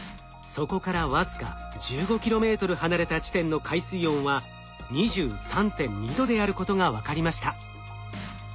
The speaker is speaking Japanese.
そこから僅か１５ｋｍ離れた地点の海水温は２３．２℃であることが分かりました。